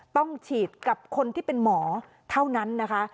ต้องฉีดกับคนที่เป็นหมอเท่านั้นนะคะ